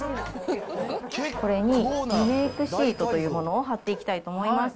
これにリメークシートというものを貼っていきたいと思います。